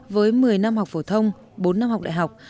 với một mươi năm học phổ thông bốn năm học đại học